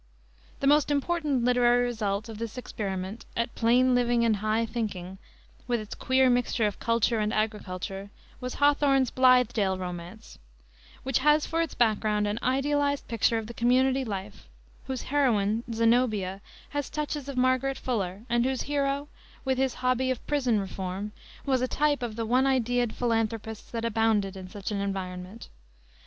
The most important literary result of this experiment at "plain living and high thinking," with its queer mixture of culture and agriculture, was Hawthorne's Blithedale Romance, which has for its background an idealized picture of the community life, whose heroine, Zenobia, has touches of Margaret Fuller; and whose hero, with his hobby of prison reform, was a type of the one idead philanthropists that abounded in such an environment.